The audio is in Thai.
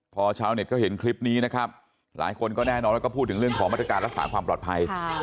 พอชาวเน็ตก็เห็นคลิปนี้นะครับหลายคนก็แน่นอนแล้วก็พูดถึงเรื่องของมาตรการรักษาความปลอดภัย